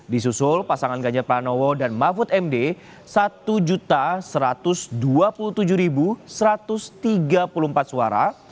disusul pasangan gajah pranowo dan mahfud md satu satu ratus dua puluh tujuh satu ratus tiga puluh empat suara